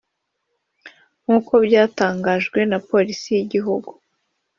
nk’uko byatangajwe na Polisi y’iki gihugu